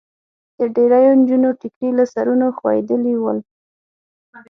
د ډېریو نجونو ټیکري له سرونو خوېدلي ول.